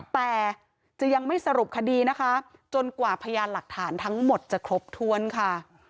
แต่จะยังไม่สรุปคดีนะคะจนกว่าพยานหลักฐานทั้งหมดจะครบถ้วนค่ะ